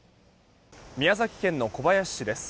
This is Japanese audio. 宮崎県の小林市です。